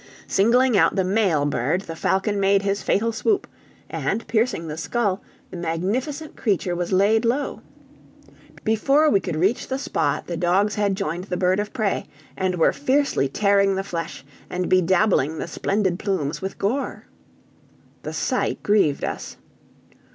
Singling out the male bird the falcon made his fatal swoop, and piercing the skull, the magnificent creature was laid low. Before we could reach the spot the dogs had joined the bird of prey, and were fiercely tearing the flesh and bedabbling the splendid plumes with gore. The sight grieved us.